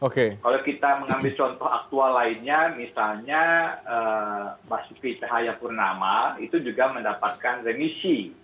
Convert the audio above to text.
kalau kita mengambil contoh aktual lainnya misalnya baski tihaya purnama itu juga mendapatkan remisi